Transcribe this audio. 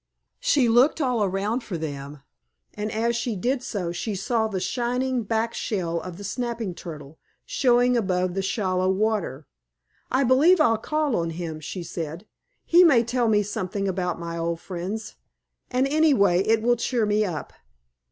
She looked all around for them, and as she did so she saw the shining back shell of the Snapping Turtle, showing above the shallow water. "I believe I'll call on him," she said. "He may tell me something about my old friends, and anyway it will cheer me up."